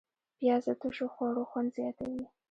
پیاز د تشو خوړو خوند زیاتوي